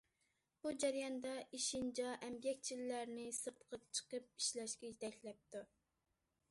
بۇ جەرياندا ئېشىنچا ئەمگەكچىلەرنى سىرتقا چىقىپ ئىشلەشكە يېتەكلەپتۇ.